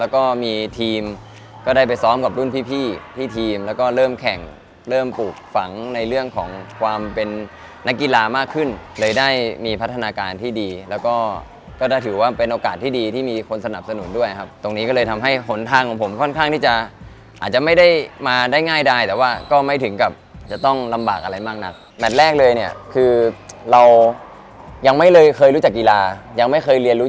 แล้วก็มีทีมก็ได้ไปซ้อมกับรุ่นพี่ที่ทีมแล้วก็เริ่มแข่งเริ่มปลูกฝังในเรื่องของความเป็นนักกีฬามากขึ้นเลยได้มีพัฒนาการที่ดีแล้วก็ได้ถือว่าเป็นโอกาสที่ดีที่มีคนสนับสนุนด้วยครับตรงนี้ก็เลยทำให้หนทางของผมค่อนข้างที่จะอาจจะไม่ได้มาได้ง่ายได้แต่ว่าก็ไม่ถึงกับจะต้องลำบากอะไรมากนักแมทแรกเลยเนี่ยคือเรายังไม่เคยรู้จักกีฬายังไม่เคยเรียนรู้